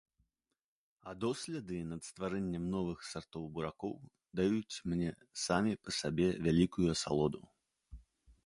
А доследы над стварэннем новых сартоў буракоў даюць мне самі па сабе вялікую асалоду.